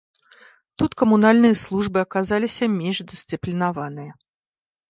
Тут камунальныя службы аказаліся менш дысцыплінаваныя.